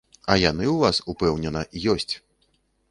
А яны ў вас, упэўнена, ёсць!